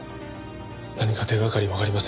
何か手がかりわかりませんかね？